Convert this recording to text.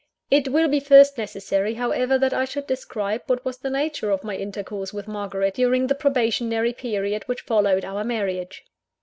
It will be first necessary, however, that I should describe what was the nature of my intercourse with Margaret, during the probationary period which followed our marriage.